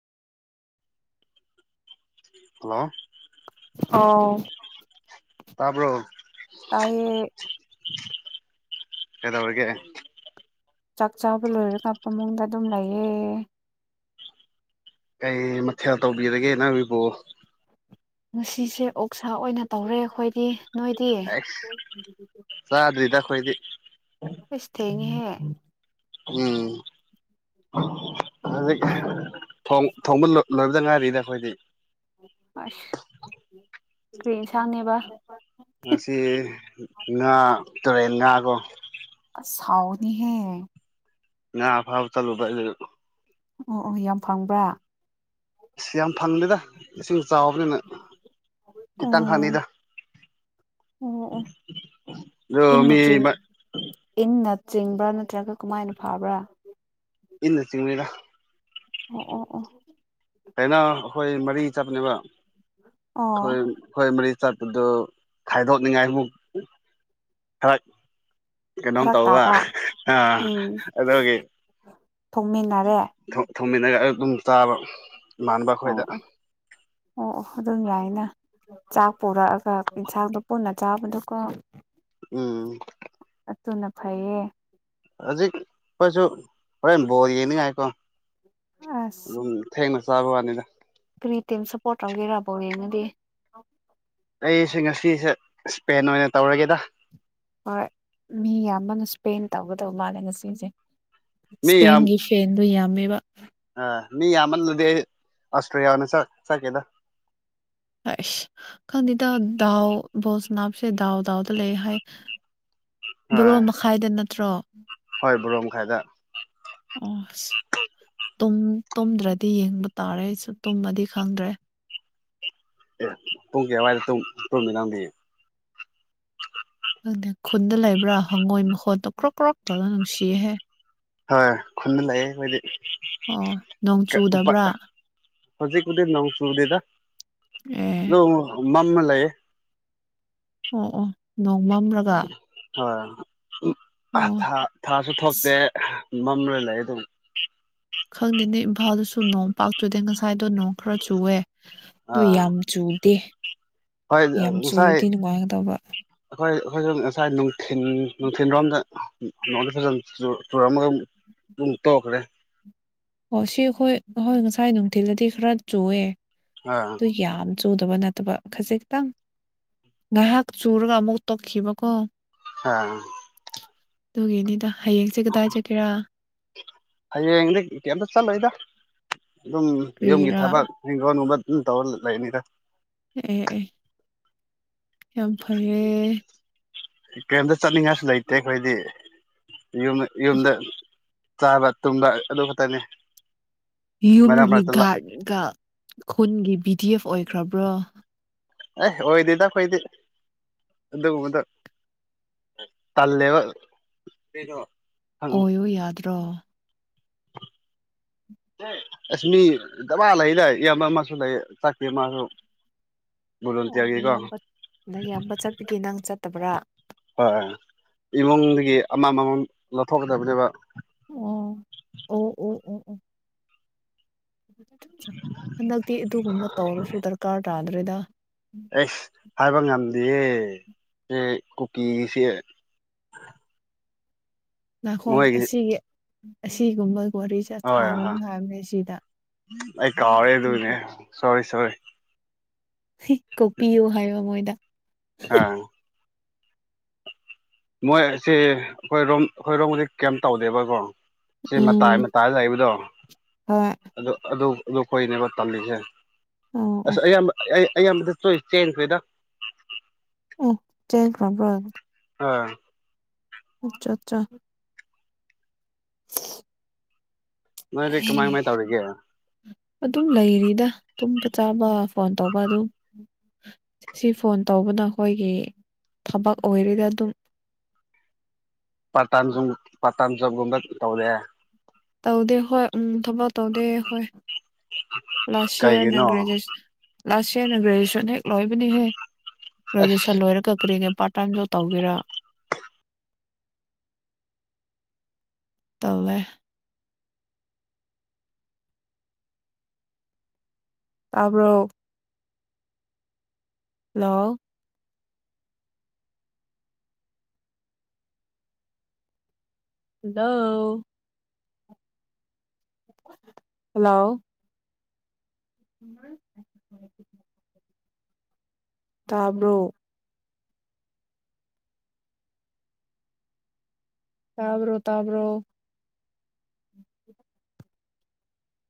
hello ꯑꯥꯎ ꯇꯔꯕꯣ ꯇꯌꯦ ꯀꯗꯧꯔꯒ ꯆꯥꯛ ꯆꯥꯕ ꯂꯣꯏꯔ ꯀꯥꯞꯄ ꯃꯑꯣꯡꯗ ꯑꯗꯨꯝ ꯂꯩꯌꯦꯦ ꯀꯩ ꯃꯊꯦꯜ ꯇꯧꯕꯤꯔꯒꯦ ꯅꯪꯣꯏꯕꯨꯣ ꯉꯁꯤꯁꯦ ꯑꯣꯛꯁꯥ ꯑꯣꯏꯅ ꯇꯧꯔꯦ ꯑꯩꯈꯣꯏꯗꯤ ꯅꯣꯏꯗꯤ ꯑꯦꯁ ꯆ ꯑꯗꯨꯔꯤꯗꯈꯣꯏꯣꯏꯗꯤ ꯍ ꯎꯝ ꯍꯧꯖꯤꯛ ꯊꯣꯡꯕ ꯂꯣꯏꯕꯗ ꯉꯥꯏꯔꯤꯅ ꯑꯩꯈꯣꯏꯗꯤ ꯀꯔꯤ ꯁꯅꯦꯕ ꯉꯁꯤ ꯉꯥ ꯇꯨꯔꯦꯟ ꯉꯥꯀꯣ ꯁꯥꯥꯎꯅꯤꯍꯦ ꯅ ꯐꯥꯎ ꯆꯂꯨ ꯑꯣ ꯑꯣ ꯌꯥꯝ ꯐꯪꯕ꯭ꯔꯥ ꯁꯤ ꯌꯥꯝ ꯐꯪꯗꯦꯗ ꯏꯁꯤꯡ ꯆꯥꯎꯕꯅꯤꯅ ꯈꯤꯇꯪ ꯎꯝ ꯍꯪꯉꯤꯗ ꯑꯣ ꯑꯣ ꯔꯣ ꯏꯟꯅ ꯃꯤ ꯆꯤꯡ ꯏꯟꯅ ꯆꯤꯡꯕ꯭ꯔꯥ ꯅꯠꯇ꯭ꯔꯒ ꯀꯃꯥꯏꯅ ꯐꯕ꯭ꯔꯥ ꯏꯟꯅ ꯁꯤꯤꯡꯤꯡꯃꯤꯔ ꯑꯣ ꯑꯣ ꯑꯣ ꯑꯩꯅ ꯑꯩꯈꯣꯏ ꯃꯔꯤ ꯆꯠꯄꯅꯦꯕ ꯑꯣ ꯑꯩꯈꯣꯏ ꯑꯩꯈꯣꯏ ꯃꯔꯤ ꯆꯠꯄꯗꯨ ꯈꯥꯏꯗꯣꯛꯅꯤꯡꯉꯥꯏ ꯑꯃꯨꯛ ꯈꯔ ꯀꯩꯅꯣꯝ ꯐꯔꯛ ꯇꯧꯕ ꯇꯥꯕ ꯑꯥ ꯎꯝ ꯑꯗꯨꯒꯤ ꯊꯣꯡꯃꯤꯟꯅꯔꯦ ꯊꯣꯝꯃꯤꯟꯅꯒ ꯑꯌꯨꯛ ꯑꯗꯨꯝ ꯆꯥꯕ ꯏꯃꯥꯟꯅꯕ ꯑꯣ ꯑꯩꯈꯣꯏꯗ ꯑꯣ ꯑꯣ ꯑꯣ ꯑꯗꯨꯝ ꯌꯥꯏꯅ ꯆꯥꯛ ꯄꯨꯣꯔꯛꯑꯒ ꯌꯦꯟꯁꯥꯡꯇ ꯄꯨꯟꯅ ꯆꯥꯕꯗꯨꯀꯣ ꯎꯝ ꯅ ꯐꯩꯌꯦ ꯍꯧꯖꯤꯛ ꯑꯩꯈꯣꯏꯁꯨ ꯍꯣꯔꯦꯟ ꯕꯣꯔ ꯌꯦꯡꯅꯤꯡꯉꯥꯏꯀꯣ ꯑꯁ ꯑꯗꯨꯝ ꯊꯦꯡꯅ ꯆꯥꯕ ꯋꯥꯅꯤꯗ ꯇ ꯁꯄꯣꯔꯠ ꯇꯧꯒꯦꯔꯔꯕꯧ ꯌꯦꯡꯅꯗꯤ ꯑꯩꯁꯦ ꯉꯁꯤꯁꯦ ꯏꯁꯄꯦꯟ ꯑꯣꯏꯅ ꯇꯧꯔꯒꯦꯗ ꯍꯣꯏ ꯃꯤ ꯌꯥꯝꯌꯥꯝꯕꯅ ꯏꯁꯄꯦꯟ ꯇꯧꯒꯗꯕ ꯃꯥꯜꯂꯦ ꯉꯁꯤꯁꯦ ꯏꯁꯄꯦꯟꯒꯤ ꯐꯦꯟꯗꯨ ꯌꯥꯝꯃꯦꯕ ꯑ ꯃꯤ ꯌꯥꯃꯜ ꯅꯗꯤꯦ ꯑꯣꯁꯇ꯭ꯔꯦꯂꯤꯌꯥ ꯋꯥꯅ ꯆ ꯆꯀꯦꯗ ꯑꯦꯁ ꯀꯥꯟ ꯏꯗ ꯗꯎ ꯕꯣꯜꯁ ꯅꯥꯞꯁꯦ ꯗꯥꯎ ꯗꯥꯎꯗ ꯂꯩ ꯍꯥꯏ ꯕꯣꯔꯣ ꯑꯥ ꯃꯈꯥꯏꯗ ꯅꯠꯇ꯭ꯔꯣ ꯍꯣꯏ ꯕꯣꯔꯣꯝꯈꯥꯏꯗ ꯑꯁ ꯇꯨꯝꯗ꯭ꯔꯗꯤ ꯌꯦꯡꯕ ꯇꯥꯔꯦ ꯑꯩꯁꯨ ꯇꯨꯝꯃꯗꯤ ꯈꯪꯗ꯭ꯔꯦ ꯑꯦ ꯄꯨꯡ ꯀ ꯑꯗꯨꯋꯥꯏꯗ ꯇꯨꯝꯃꯤ ꯅꯪꯗꯤ ꯑꯗꯨꯪꯗ ꯈꯨꯟꯗ ꯂꯩꯕ꯭ꯔꯥ ꯍꯪꯉꯣꯏ ꯃꯈꯣꯠꯇꯣ ꯀ꯭ꯔꯛ ꯀ꯭ꯔꯛꯇꯅ ꯅꯨꯡꯁꯤꯍꯦ ꯍꯣꯏ ꯈꯨꯅ ꯂꯥꯛꯑꯦ ꯑꯩꯣꯏꯗꯤ ꯑꯣ ꯅꯣꯡ ꯆꯨꯗꯕ꯭ꯔꯥ ꯍꯧꯖꯤ ꯀꯗꯗ ꯅꯪ ꯆꯗꯗ ꯑꯦ ꯅ ꯃꯃ ꯂꯩ ꯑꯣ ꯑꯣ ꯅꯣꯡ ꯃꯝꯂꯒ ꯍꯣꯏ ꯊꯥꯁꯨ ꯑꯁ ꯊꯣꯛꯇꯦ ꯃꯝ ꯂꯩ ꯂꯩ ꯑꯗꯨꯝ ꯈꯪꯗꯦꯅꯦ ꯏꯝꯐꯥꯜꯗꯁꯨ ꯅꯣꯡ ꯄꯥꯛꯇꯨꯗꯦ ꯉꯁꯥꯏ ꯑꯗꯨꯅꯣ ꯈꯔ ꯆꯨꯑꯦ ꯑꯗꯨ ꯌꯥꯝ ꯆꯨꯗꯦ ꯌꯥꯝ ꯍꯣꯏꯁꯥꯏꯦ ꯆꯨꯔꯗꯤ ꯅꯨꯡꯉꯥꯏꯒꯗꯕ ꯑꯩꯈꯣꯏ ꯑꯩꯈꯣꯏꯁꯨ ꯉꯁꯥꯏ ꯅꯨꯡꯊꯜ ꯅꯨꯡꯊꯤꯜꯔꯣꯝꯗ ꯅꯉꯣꯟꯗ ꯐꯖ ꯇꯣꯔꯥꯃ ꯇꯧꯈꯔꯦ ꯑꯣ ꯁꯤ ꯑꯩꯈꯣꯏ ꯑꯩꯈꯣꯏ ꯉꯁꯥꯏ ꯅꯨꯡꯊꯤꯜꯗꯗꯤ ꯈꯔ ꯆꯨꯑꯦ ꯑꯥ ꯑꯗꯨ ꯌꯥꯝ ꯆꯨꯗꯕ ꯅꯠꯇꯕ ꯈꯖꯤꯛꯇꯪ ꯉꯥꯏꯍꯥꯛ ꯆꯨꯔꯒ ꯑꯃꯨꯛ ꯇꯣꯛꯈꯤꯕꯀꯣ ꯑꯥ ꯑꯗꯨꯒꯤꯅꯤꯗ ꯍꯌꯦꯡꯁꯦ ꯀꯗꯥꯏ ꯆꯠꯒꯦꯔꯥ ꯍꯌꯦꯡꯗꯤ ꯀꯩꯝꯇ ꯆꯠꯂꯣꯏꯗ ꯑꯗꯨꯝ ꯌꯨꯝꯒꯤ ꯊꯕꯛ ꯍꯤꯡꯒꯣꯒꯨꯝꯕ ꯑꯗꯨꯝ ꯇꯧꯔ ꯂꯩꯅꯤꯗ ꯎꯝ ꯎꯝ ꯌꯥꯝ ꯐꯩꯌꯦ ꯀꯔꯤꯝꯇ ꯆꯠꯅꯤꯡꯉꯥꯏꯁꯨ ꯂꯩꯇꯦ ꯑꯩꯈꯣꯏꯗꯤ ꯌꯨꯝ ꯌꯨꯝꯗ ꯆꯥꯕ ꯇꯨꯝꯕ ꯑꯗꯨ ꯈꯛꯇꯅꯤ ꯃꯔꯛ ꯌꯨꯝꯒꯤ ꯃꯔꯛꯇ ꯂꯥꯛ ꯒꯥꯥꯔꯠꯒ ꯈꯨꯟꯒꯤ ꯕꯤ ꯗꯤ ꯑꯦꯐ ꯑꯣꯏꯈ꯭ꯔꯕ꯭ꯔꯣ ꯑꯦ ꯑꯣꯏꯗꯤꯗꯈꯣꯏꯗꯤ ꯑꯗꯨꯒꯨꯝꯕꯗ ꯇꯂꯦꯕ ꯑꯣꯏꯌꯣ ꯌꯥꯗ꯭ꯔꯣ [inaudible] ꯑꯁ ꯃꯤ ꯗꯃ ꯂꯩꯗ ꯏꯌꯥꯝꯕ ꯑꯃꯁꯨ ꯂꯩ ꯆꯥꯛꯇꯦ ꯃꯥꯁꯨ [inaudible] ꯑꯣ ꯅꯪ ꯚꯣꯂꯨꯟꯇꯤꯌꯔꯒꯤꯀꯣ ꯏꯌꯥꯝꯕ ꯅ ꯏꯌꯥꯝꯕ ꯆꯠꯄꯤꯒꯦ ꯅꯪ ꯆꯠꯇꯕ꯭ꯔꯥ ꯍꯣꯏ ꯏꯃꯨꯡꯗꯒꯤ ꯑꯃꯃꯃꯝ ꯂꯧꯊꯣꯛꯀꯗꯕꯅꯦꯕ ꯑꯣ ꯑꯣ ꯑꯣ ꯑꯣ ꯑꯣ ꯍꯟꯗꯛꯇꯤ ꯑꯗꯨꯒꯨꯝꯕ ꯇꯧꯔꯁꯨ ꯗꯔꯀꯥꯔ ꯇꯥꯗ꯭ꯔꯦꯗ ꯑꯦꯁ ꯍꯥꯏꯕ ꯌꯥꯝꯅꯤ ꯀꯨꯀꯤꯁꯤ ꯅꯥꯈꯣ ꯃꯣꯏꯒꯤ ꯑꯁꯤꯒꯤ ꯑꯁꯤꯒꯨꯝꯕ ꯋꯥꯔꯤꯁꯦ ꯍꯣꯏ ꯍ ꯁꯥꯒꯅꯨ ꯍꯥꯏꯕꯅꯦ ꯁꯤꯗ ꯑꯩ ꯀꯥꯎꯔꯦ ꯑꯗꯨꯅꯦ ꯁꯣꯔꯤ ꯁꯣꯔꯤ ꯀꯣꯛꯄꯤꯌꯣ ꯍꯥꯏꯌꯣ ꯃꯣꯏꯗ ꯑꯥ ꯃꯣꯏ ꯁꯤꯦ ꯑꯩꯈꯣꯏꯔꯣꯝ ꯑꯩꯈꯣꯏꯔꯣꯝꯗꯤ ꯀꯦꯝ ꯇꯧꯗꯦꯕꯀꯣ ꯁꯤ ꯃꯇꯥꯏ ꯎꯝ ꯃꯇꯥꯏ ꯂꯩꯕꯗꯣ ꯍꯣꯏ ꯑꯗꯨ ꯑꯗꯨ ꯑꯗꯨ ꯑꯩꯈꯣꯏꯅꯦꯕ ꯇꯝꯜꯂꯤꯁꯦ ꯑꯣ ꯑꯁ ꯑꯣ ꯑꯌꯥꯝꯕ ꯑꯩ ꯑ ꯃ ꯆꯣꯏ ꯆꯦꯟꯖ ꯀꯗ ꯑꯣ꯭ꯔꯝꯣ ꯑꯥ ꯑꯆꯥ ꯑꯠꯆꯥ ꯅꯣꯏꯗꯤ ꯀꯃꯥꯏ ꯀꯃꯥꯏ ꯇꯧꯔꯤꯒꯦ [inaudible] ꯑꯗꯨꯝ ꯂꯩꯔꯤꯗ ꯇꯨꯝꯕ ꯆꯥꯕ ꯐꯣꯟ ꯇꯧꯕ ꯑꯗꯨꯝ ꯁꯤ ꯐꯣꯟ ꯇꯧꯕꯅ ꯑꯩꯈꯣꯏꯒꯤ ꯊꯕꯛ ꯑꯣꯏꯔꯗꯤ ꯑꯗꯨꯝ ꯄꯇꯥ ꯄꯥꯇꯥꯝ ꯖꯣꯕꯒꯨꯝꯕ ꯇꯧꯔꯦ ꯇꯧꯗꯦ ꯍꯣꯏ ꯎꯝ ꯊꯕꯛ ꯇꯧꯗꯦ ꯍꯣꯏ ꯂꯥꯁ ꯏꯌꯔ ꯀꯩꯒꯤꯅꯣ ꯅ ꯭ꯔꯦꯖꯨꯁꯟ ꯂꯥꯁ ꯏꯔ ꯅ ꯭ꯔꯦꯖꯨꯌꯦꯁꯟ ꯍꯦꯛ ꯂꯣꯏꯕꯅꯤꯍꯦ ꯑꯁ ꯔꯣꯏꯖꯁꯟ ꯂꯣꯏꯔ ꯀꯛꯀ꯭ꯔꯤꯉ ꯄꯥꯔꯠ ꯇꯥꯏꯝꯁꯨ ꯇꯧꯒꯦꯔ ꯇꯠꯂꯦ ꯇꯕ꯭ꯔꯣ ꯍꯂꯣ ꯂ [inaudible] ꯍꯜꯂꯣ ꯎ ꯇꯥꯕ꯭ꯔꯣ ꯇꯥꯕ꯭ꯔꯣ ꯇꯥꯕ꯭ꯔꯣ